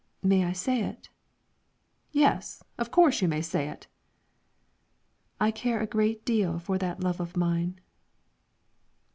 "May I say it?" "Yes; of course you may say it." "I care a great deal for that love of mine."